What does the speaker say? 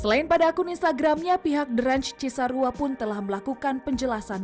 selain pada akun instagramnya pihak the ranch cisarua pun telah melakukan penjelasan